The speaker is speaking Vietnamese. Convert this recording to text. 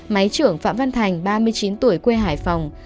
máy trưởng phạm văn thành ba mươi chín tuổi quê hải phòng